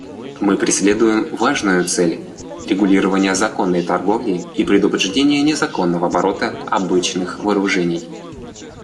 Мы преследуем важную цель — регулирование законной торговли и предупреждение незаконного оборота обычных вооружений.